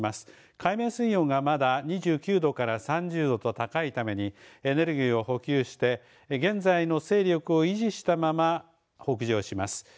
海面水温が、まだ２９度から３０度と高いためにエネルギーを補給して現在の勢力を維持したまま北上します。